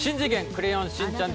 クレヨンしんちゃん